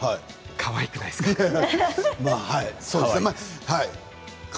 かわいくないですか？